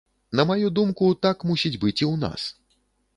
На маю думку, так мусіць быць і ў нас.